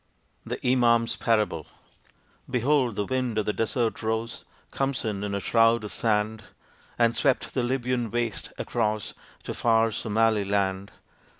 THE IMAM'S PARABLE Behold, the wind of the Desert rose, Khamsin, in a shroud of sand, And swept the Libyan waste, across To far Somali land.